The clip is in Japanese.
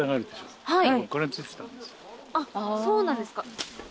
あっそうなんですか。